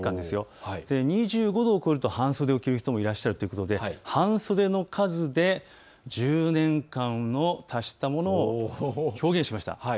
２５度を超えると半袖を着る方もいらっしゃるということで半袖の数で１０年間の足したものを表現しました。